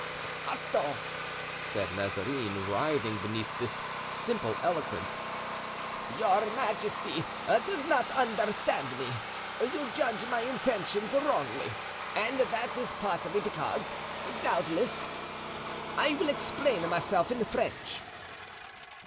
"Peccato!" said Mazarin, writhing beneath this simple eloquence, "your majesty does not understand me; you judge my intentions wrongly, and that is partly because, doubtless, I explain myself in French."